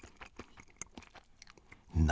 何？